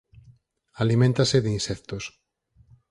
Aliméntase de insectos.